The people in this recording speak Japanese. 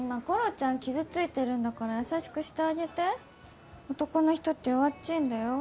ちゃん傷ついてるんだから優しくしてあげて男の人って弱っちいんだよ